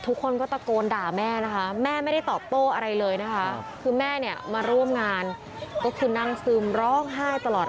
ทุกคนก็ตะโกนด่าแม่นะคะแม่ไม่ได้ตอบโต้อะไรเลยนะคะคือแม่เนี่ยมาร่วมงานก็คือนั่งซึมร้องไห้ตลอด